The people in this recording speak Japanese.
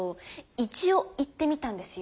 一応行ってみたんですよー。